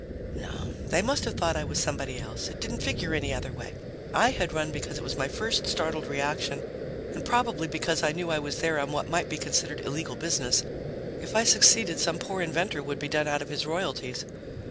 No, they must have thought I was somebody else. It didn't figure any other way. I had run because it was my first startled reaction and probably because I knew I was there on what might be considered illegal business; if I succeeded, some poor inventor would be done out of his royalties.